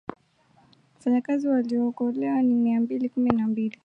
wafanyakazi waliyookolewa ni mia mbili kumi na mbili